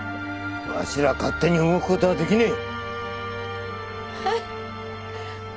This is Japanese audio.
わしら勝手に動く事はできねえ。